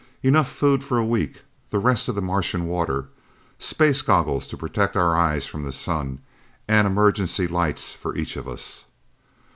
"Enough food for a week, the rest of the Martian water, space goggles to protect our eyes from the sun and emergency lights for each of us."